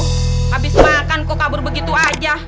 habis makan kok kabur begitu aja